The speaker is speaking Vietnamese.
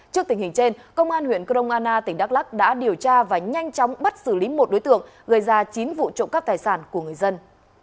trước tình hình trên công an huyện crong anna tỉnh đắk lắc đã điều tra và nhanh chóng bắt xử lý một đối tượng gây ra chín vụ trộm cắp tài sản của người dân